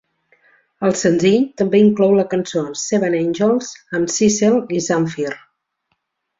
El senzill també inclou la cançó "Seven Angels" amb Sissel i Zamfir.